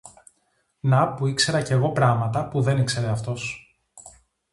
Να που ήξερα κι εγώ πράματα που δεν ήξερε αυτός.